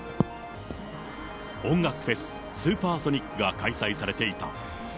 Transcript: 音楽フェス、スーパーソニックが開催されていた。